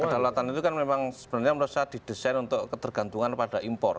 kedaulatan itu kan memang sebenarnya menurut saya didesain untuk ketergantungan pada impor